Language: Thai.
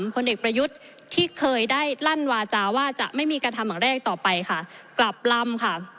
ผลเอกประยุทธ์ที่เคยได้ลั่นวาจาว่าจะไม่มีการทำอย่างแรกต่อไปค่ะกลับลำค่ะ